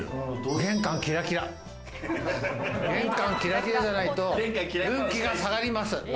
玄関キラキラじゃないと運気が下がります。